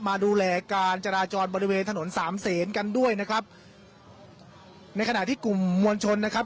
มาดูแลการจราจรบริเวณถนนสามเศษกันด้วยนะครับในขณะที่กลุ่มมวลชนนะครับ